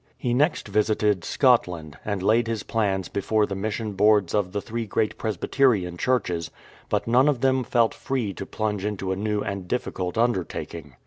He next visited Scotland, and laid his plans before the mission boards of the three great Presbyterian Churches, but none of them felt free to plunge into a new and difficult undertaking.